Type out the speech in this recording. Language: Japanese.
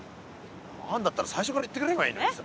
あるんだったら最初から言ってくれればいいのにさ。